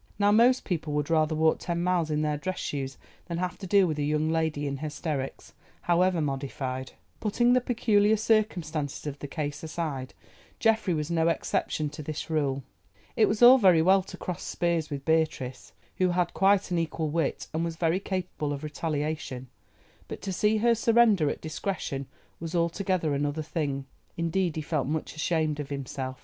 Now most people would rather walk ten miles in their dress shoes than have to deal with a young lady in hysterics, however modified. Putting the peculiar circumstances of the case aside, Geoffrey was no exception to this rule. It was all very well to cross spears with Beatrice, who had quite an equal wit, and was very capable of retaliation, but to see her surrender at discretion was altogether another thing. Indeed he felt much ashamed of himself.